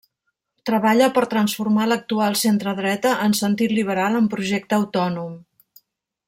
Treballa per a transformar l'actual centredreta en sentit liberal amb projecte autònom.